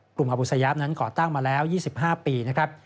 อบุษยาปนั้นก่อตั้งมาแล้ว๒๕ปีนะครับ